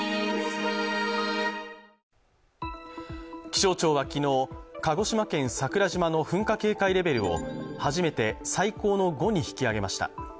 気象庁は昨日、鹿児島県桜島の噴火警戒レベルを初めて最高の５に引き上げました。